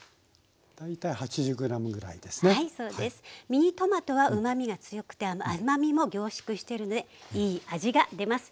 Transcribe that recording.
ミニトマトはうまみが強くて甘みも凝縮してるのでいい味が出ます。